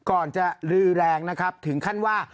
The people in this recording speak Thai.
ก่อนจะลือแรงนะครับถึงขั้นว่า